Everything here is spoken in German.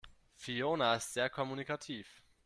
Fiona ist sehr kommunikativ.